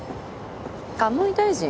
鴨井大臣？